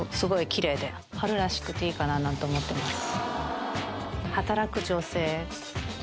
きれいで春らしくていいかなぁなんて思ってます